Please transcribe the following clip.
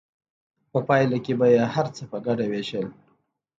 په پایله کې به یې هر څه په ګډه ویشل.